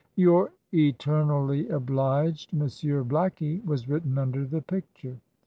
"Your eternally obliged Monsieur Blackie," was written under the picture.